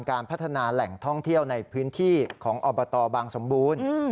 การพัฒนาแหล่งท่องเที่ยวในพื้นที่ของอบตบางสมบูรณ์